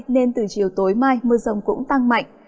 nên từ chiều tối mai mưa rồng cũng tăng mạnh